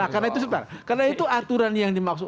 karena itu aturan yang dimaksud